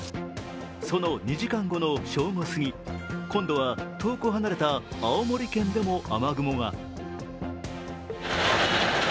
その２時間後の正午過ぎ、今度は遠く離れた青森県でも雨雲が。